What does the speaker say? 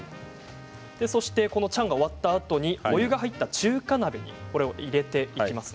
チャンが終わったあとにお湯が入った中華鍋に入れていきます。